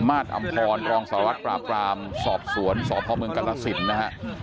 มาตรอำพรรองสารวัตรปราบรามสอบสวนสพเมืองกรสินนะฮะ